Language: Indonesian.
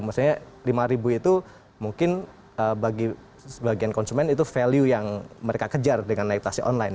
maksudnya lima ribu itu mungkin bagi sebagian konsumen itu value yang mereka kejar dengan naik taksi online